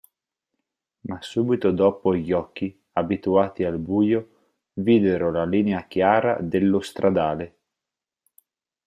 Ma subito dopo gli occhi abituati al buio videro la linea chiara dello stradale.